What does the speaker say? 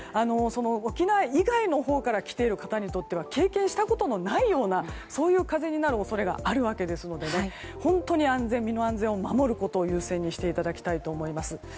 沖縄以外のほうから来ている方にとっては経験したことがないような風になる恐れがありますので本当に身の安全を守ることを優先していただきたいと思います。